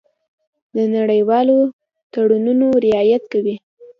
د نړیوالو تړونونو رعایت کوي.